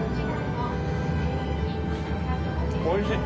おいしい！